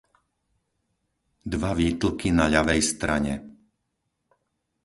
dva výtlky na ľavej strane